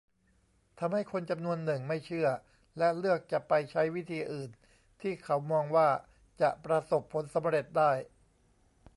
ทำให้คนจำนวนหนึ่งไม่เชื่อ และเลือกจะไปใช้วิธีอื่นที่เขามองว่าจะประสบผลสำเร็จได้